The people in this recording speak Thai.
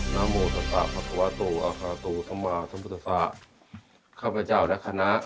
นามูศาสตร์ภักษวตุอาฆาตุสมาสมุทธศาสตร์ข้าพเจ้าและคณะ